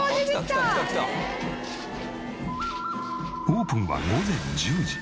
オープンは午前１０時。